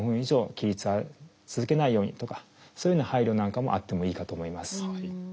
起立は続けないようにとかそういうような配慮なんかもあってもいいかと思います。